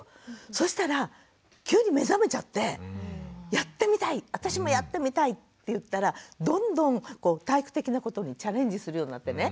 そしたら急に目覚めちゃってやってみたい私もやってみたいっていったらどんどん体育的なことにチャレンジするようになってね